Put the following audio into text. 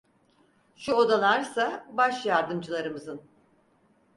Şu odalarsa baş yardımcılarımızın…